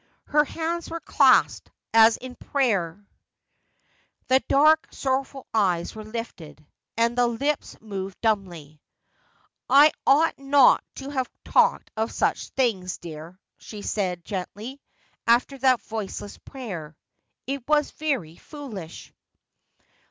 Her hands were clasped, as in prayer ; the dark sorrowful eyes were lifted, and the lips moved dumbly. ' I ought not to have talked of such things, dear,' she said, gently, after that voiceless prayer. ' It was very foolish.'